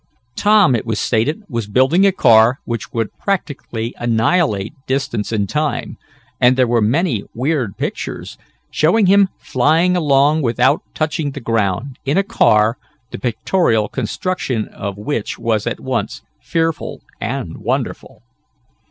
Tom, it was stated, was building a car which would practically annihilate distance and time, and there were many weird pictures, showing him flying along without touching the ground, in a car, the pictorial construction of which was at once fearful and wonderful.